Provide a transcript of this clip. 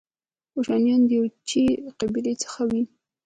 کوشانیان د یوچي قبیلې څخه وو